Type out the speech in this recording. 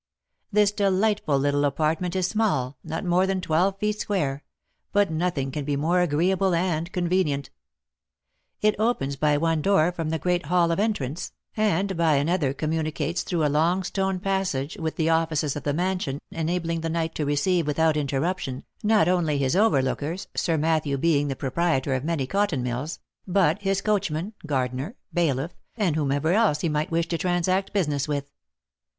This de lightful little apartment is small, not more than twelve feet square ; but nothing can be more agreeable and convenient. It opens by one door from the great hall of entrance, and by another commu B 2 THE LIFE AND ADVENTURES nicates through a long stone passage with the offices of the mansion ; enabling the knight to receive, without interruption, not only his overlookers (Sir Matthew being the proprietor of many cotton mills), but his coachman, gardener, bailiff, and whomever else he might wish to transact business with.